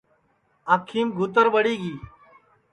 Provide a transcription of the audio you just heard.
آنکھیم گُھتر ٻڑی گی